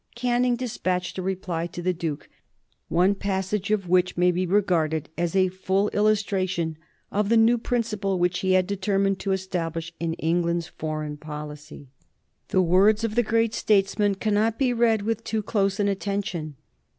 Canning despatched a reply to the Duke, one passage of which may be regarded as a full illustration of the new principle which he had determined to establish in England's foreign policy. The words of the great statesman cannot be read with too close an attention.